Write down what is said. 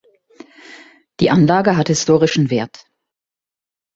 Die Anlage hat historischen Wert.